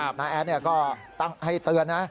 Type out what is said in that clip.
แพลตก็ทั้งให้เตือนนะ